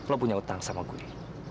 lo punya utang sama gue